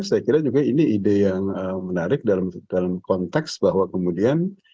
saya kira juga ini ide yang menarik dalam konteks bahwa kemudian